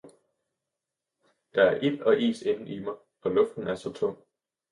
der er ild og is indeni mig og luften er så tung!